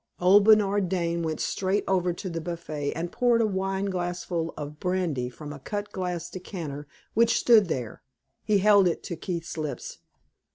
Old Bernard Dane went straight over to the buffet and poured a wine glassful of brandy from a cut glass decanter which stood there. He held it to Keith's lips.